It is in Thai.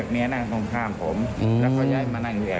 เมียแกกับผม